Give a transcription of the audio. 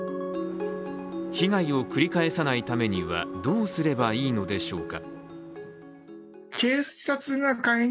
被害を繰り返さないためにはどうすればいいのでしょうか。